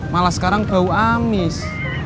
malah sekarang bau amis